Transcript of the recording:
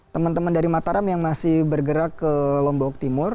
teman teman dari mataram yang masih bergerak ke lombok timur